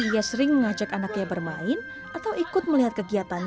dia sering mengajak anaknya bermain atau ikut melihat kegiatan